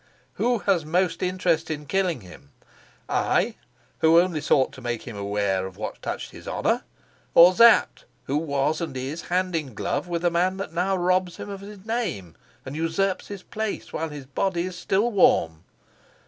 Who had most interest in killing him I, who only sought to make him aware of what touched his honor, or Sapt, who was and is hand and glove with the man that now robs him of his name and usurps his place while his body is still warm?